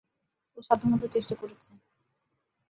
ও সাধ্যমতো চেষ্টা করেছে।